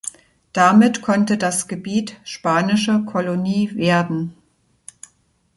Damit konnte das Gebiet spanische Kolonie werden.